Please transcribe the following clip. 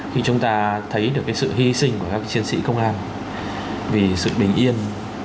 khi chúng ta thấy được sự hy sinh của các chiến sĩ công an vì sự bình yên